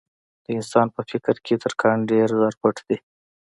د انسان په فکر کې تر کان ډېر زر پټ دي.